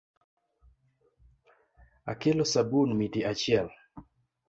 Akelo sabun miti achiel.